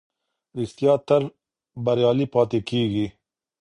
رښتيا تل بريالی پاتې کېږي.